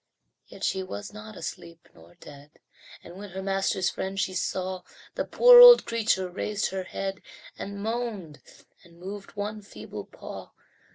Yet she was not asleep nor dead, And when her master's friend she saw, The poor old creature raised her head, And moaned, and moved one feeble paw.